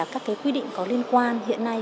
các quy định có liên quan hiện nay